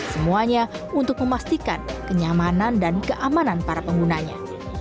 semuanya untuk memastikan kenyamanan dan keamanan para penggunanya